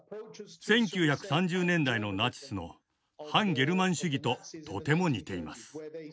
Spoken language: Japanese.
１９３０年代のナチスの「汎ゲルマン主義」ととても似ています。